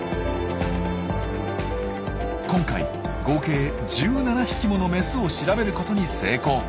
今回合計１７匹ものメスを調べることに成功。